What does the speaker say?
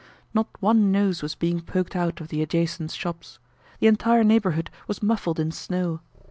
Not one nose was being poked out of the adjacent shops. The entire neighborhood was muffled in snow.